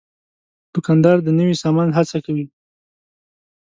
دوکاندار د نوي سامان هڅه کوي.